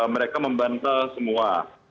mereka membantah semua